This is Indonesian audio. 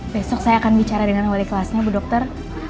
besok saya akan bicara dengan wali kelasnya bu dokter